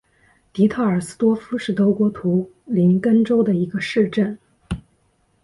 迪特尔斯多夫是德国图林根州的一个市镇。